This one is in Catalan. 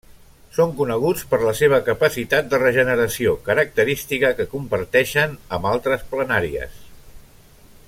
Són coneguts per la seva capacitat de regeneració, característica que comparteixen amb altres planàries.